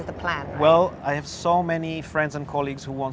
saya memiliki banyak teman dan rakan